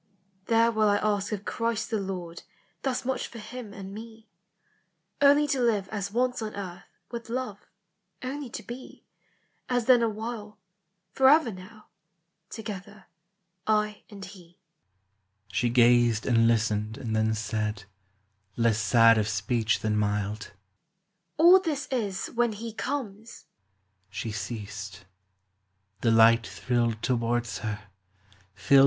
There will T ask of Christ the Lord Thus much for him and me :— Only to live as once on earth With Love, — only to be, As* then awhile, forever now Together, I and he." She gazed and listened and then said, Less sad of speech than mild, —" All this is when he comes." She ceased. The light thrilled towards her, filled 102 POEMS OF FAXCY.